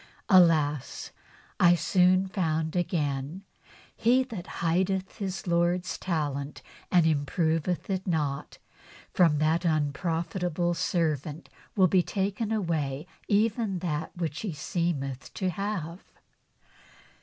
^ Alas ! I soon found again :' He that hideth his Lord's talent, and improveth it not, from that unprofitable servant shall be taken away even that which he seemeth to have.'